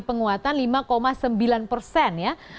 penguatan lima sembilan persen ya